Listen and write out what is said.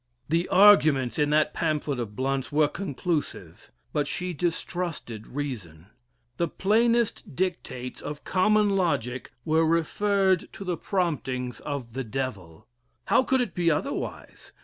The arguments in that pamphlet of Blount's were conclusive, but she distrusted reason. The plainest dictates of common logic were referred to the promptings of the Devil. How could it be otherwise?